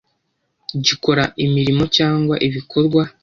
gikora imirimo cyangwa ibikorwa